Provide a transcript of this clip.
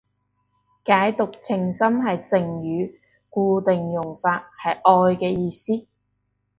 舐犢情深係成語，固定用法，係愛嘅意思